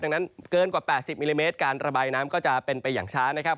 ดังนั้นเกินกว่า๘๐มิลลิเมตรการระบายน้ำก็จะเป็นไปอย่างช้านะครับ